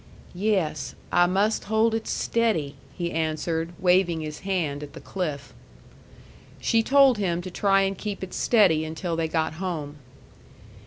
"Yes. I must hold it steady," he answered, waving his hand at the cliff. She told him to try and keep it steady until they got home.